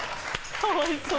かわいそう！